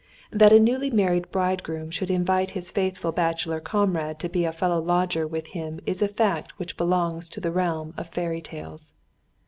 That a newly married bridegroom should invite his faithful bachelor comrade to be a fellow lodger with him is a fact which belongs to the realm of fairy tales.